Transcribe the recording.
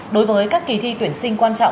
đối với các kỳ thi tuyển sinh quan trọng